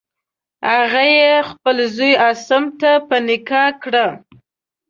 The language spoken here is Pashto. هغه یې خپل زوی عاصم ته په نکاح کړه.